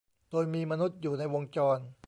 โดยมีมนุษย์อยู่ในวงจร